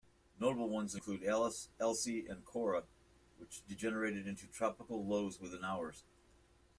Notable ones include Alice, Elsie and Cora which degenerated into tropical lows within hours.